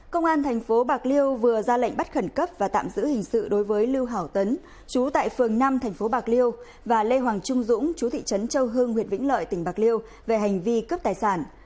công an thành phố bạc liêu vừa ra lệnh bắt khẩn cấp và tạm giữ hình sự đối với lưu hảo tấn chú tại phường năm tp bạc liêu và lê hoàng trung dũng chú thị trấn châu hương huyện vĩnh lợi tỉnh bạc liêu về hành vi cướp tài sản